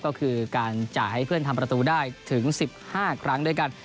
ก็คือการจ่ายให้เพื่อนทำประตูได้ถึง๑๕ครั้งด้วยกัน